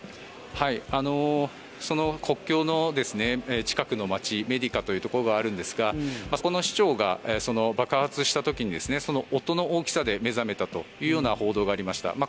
国境の近くの街メディカというところがあるんですがそこの市長が、爆発した時に音の大きさで目覚めたというような報道がありました。